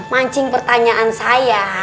mancing pertanyaan saya